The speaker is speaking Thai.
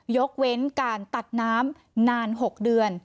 ยกเว้นการตัดน้ำนาน๖เดือน